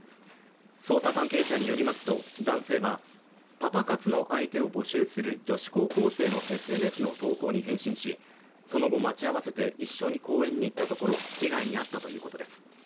捜査関係者によりますと男性は、パパ活の相手を募集する女子高校生のＳＮＳの投稿に返信しその後、待ち合わせて一緒に公園に行ったところ被害に遭ったということです。